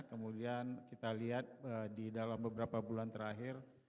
kemudian kita lihat di dalam beberapa bulan terakhir